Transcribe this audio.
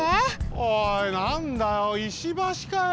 おいなんだよ石橋かよ！